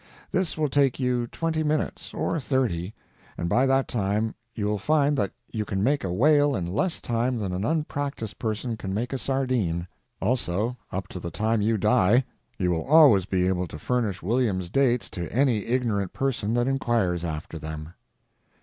This will take you twenty minutes, or thirty, and by that time you will find that you can make a whale in less time than an unpracticed person can make a sardine; also, up to the time you die you will always be able to furnish William's dates to any ignorant person that inquires after them.